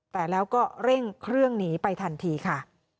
แต่แล้วก็เร่งเครื่องหนีไปทันทีค่ะ